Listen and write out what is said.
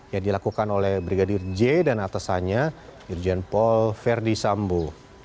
yang dilakukan oleh brigadir j dan atasannya irjen paul verdi sambo